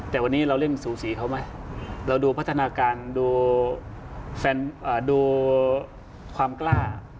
แต่วันนี้เราเล่นสูสีเขาไหมเราดูพัฒนาการดูความกล้า